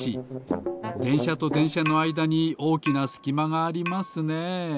でんしゃとでんしゃのあいだにおおきなすきまがありますねえ。